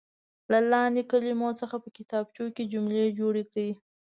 له لاندې کلمو څخه په کتابچو کې جملې جوړې کړئ.